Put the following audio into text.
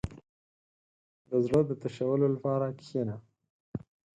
• د زړۀ د تشولو لپاره کښېنه.